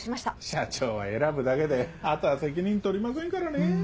社長は選ぶだけであとは責任取りませんからねぇ。